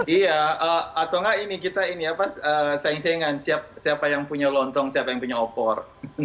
iya atau enggak ini kita ini apa saing saingan siapa yang punya lontong siapa yang punya opor